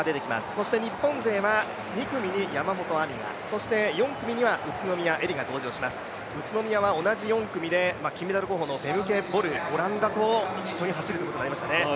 そして日本勢は２組に山本亜美がそして４組には宇都宮絵莉が登場します、宇都宮は同じ４組で金メダル候補のボル、一緒に走ることになりましたね。